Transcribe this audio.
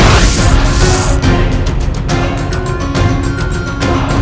aku harus membantu